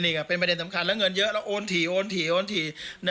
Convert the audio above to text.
นี่ก็เป็นประเด็นสำคัญแล้วเงินเยอะแล้วโอนถี่